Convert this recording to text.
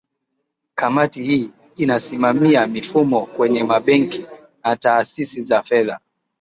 kamati hii inasimamia mifumo kwenye mabenki na taasisi za fedha